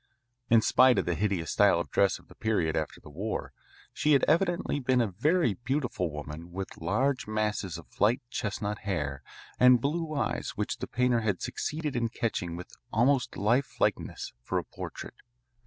In spite of the hideous style of dress of the period after the war, she had evidently been a very beautiful woman with large masses of light chestnut hair and blue eyes which the painter had succeeded in catching with almost life likeness for a portrait.